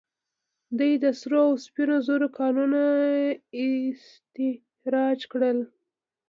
دوی د سرو او سپینو زرو کانونه استخراج کړل